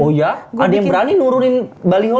oh ya ada yang berani nurunin baliho